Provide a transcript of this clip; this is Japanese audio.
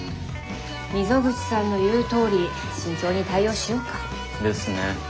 溝口さんの言うとおり慎重に対応しようか。ですね。